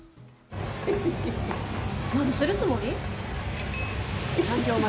何するつもり？